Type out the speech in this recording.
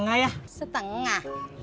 nasi setengah ya